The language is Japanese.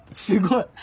すごい。